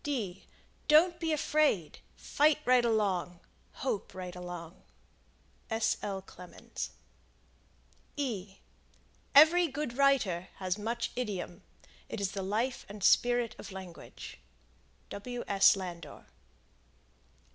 Don't be afraid. Fight right along. Hope right along. S.L. Clemens. Every good writer has much idiom; it is the life and spirit of Language. W. S. Landor.